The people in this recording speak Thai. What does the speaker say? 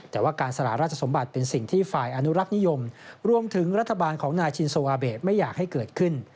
แต่ว่าการสละราชสมบัติเป็นสิ่งที่ฝ่ายอนุรักษ์นิยมรวมถึงรัฐบาลของนายชินสวาเบะไม่อยากให้เกิดขึ้น